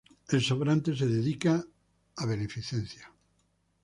El sobrante se dedicaba a beneficencia.